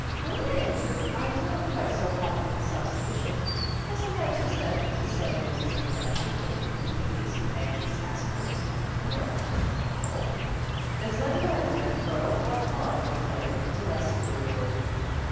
When I entered, I was not quite so haughty and self suffi cient ; I sometimes dispensed with the ceremony of introduction in the case of anxious aspirants. I never ' cut ' people." " Is that an argument pro or con your claim to less superiority